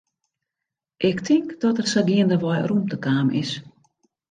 Ik tink dat der sa geandewei rûmte kaam is.